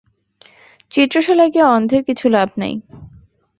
চিত্রশালায় গিয়া অন্ধের কিছু লাভ নাই।